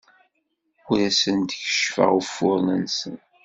Ur asen-d-keccfeɣ ufuren-nsen.